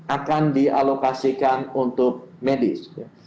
akan dialokasikan untuk medis